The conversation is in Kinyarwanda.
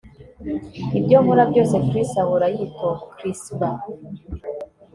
Ibyo nkora byose Chris ahora yitochrisba